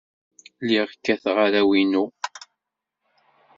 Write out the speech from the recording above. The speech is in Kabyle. Lliɣ kkateɣ arraw-inu.